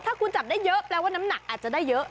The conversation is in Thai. ถ้าคุณจับได้เยอะแปลว่าน้ำหนักอาจจะได้เยอะ